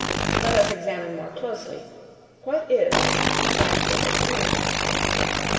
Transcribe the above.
Let us examine more closely: what is the scientific man?